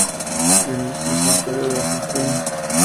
Es el santuario de La Asunción.